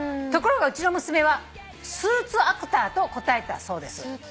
「ところがうちの娘はスーツアクターと答えたそうです」